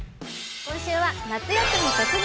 今週は「夏休み突入！